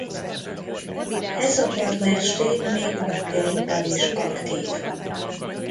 Ez a partnerség még napjainkban is aktív.